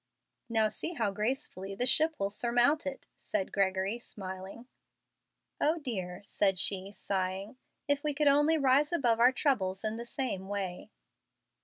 "Now see how gracefully the ship will surmount it," said Gregory, smiling. "O dear!" said she, sighing, "if we could only rise above our troubles in the same way!"